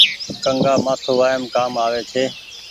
ڪنگآ مآٿو وآئم ڪآم آوي ڇي۔